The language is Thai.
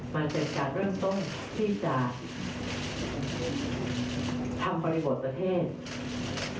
มันเป็นการเริ่มต้นที่จะทำบริบทประเทศ